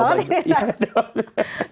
hati hati banget ini